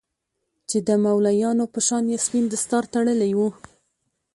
چې د مولويانو په شان يې سپين دستار تړلى و.